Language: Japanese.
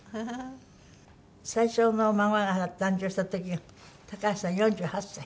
最初の孫が誕生した時が高橋さん４８歳？